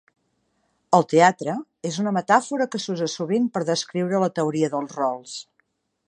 El teatre és una metàfora que s'usa sovint per descriure la teoria dels rols.